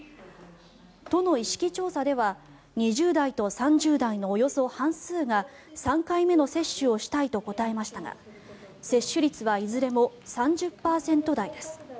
都の意識調査では２０代と３０代のおよそ半数が３回目の接種をしたいと答えましたが接種率はいずれも３０％台です。